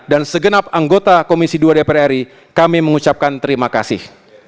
dan segenap anggota komisi ii dpr ri kami mengucapkan terima kasih